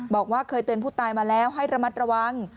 บอกว่าเคยเตือนผู้ตายมาแล้วให้ระมัดระวัง